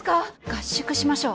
合宿しましょう。